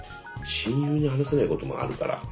親友に話せないこともあるから。